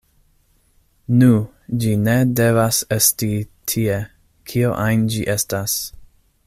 “Nu, ĝi ne devas esti tie, kio ajn ĝi estas.